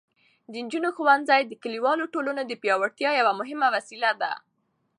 د نجونو ښوونځي د کلیوالو ټولنو د پیاوړتیا یوه مهمه وسیله ده.